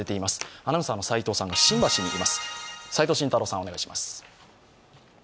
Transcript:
アナウンサーの齋藤さんが新橋にいます。